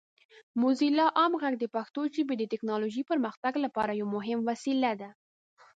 موزیلا عام غږ د پښتو ژبې د ټیکنالوجۍ پرمختګ لپاره یو مهم وسیله ده.